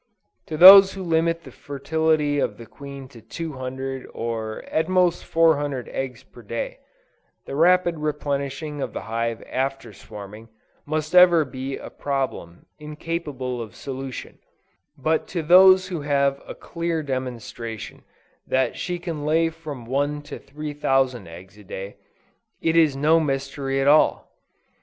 To those who limit the fertility of the queen to 200, or at most 400 eggs per day, the rapid replenishing of the hive after swarming, must ever be a problem incapable of solution; but to those who have ocular demonstration that she can lay from one to three thousand eggs a day, it is no mystery at all.